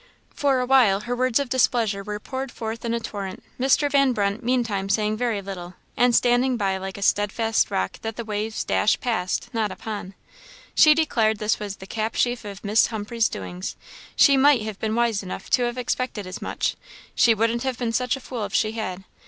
For a while her words of displeasure were poured forth in a torrent; Mr. Van Brunt meantime saying very little, and standing by like a steadfast rock that the waves dash past, not upon. She declared this was "the cap sheaf of Miss Humphreys' doings; she might have been wise enough to have expected as much; she wouldn't have been such a fool if she had!